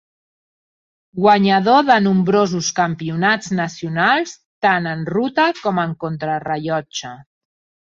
Guanyador de nombrosos campionats nacionals tant en ruta com en contrarellotge.